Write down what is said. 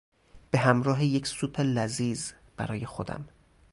به همراه یک سوپ لذیذ برای خودم